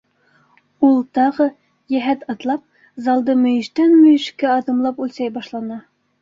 Ул тағы, йәһәт атлап, залды мөйөштән мөйөшкә аҙымлап үлсәй башланы.